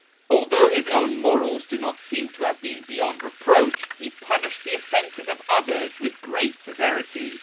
Although his own morals do not seem to have been beyond reproach, he punished the offences of others with great severity.